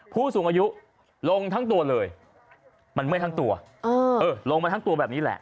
ผู้สูงอายุลงทั้งตัวเลยมันเมื่อยทั้งตัวลงมาทั้งตัวแบบนี้แหละ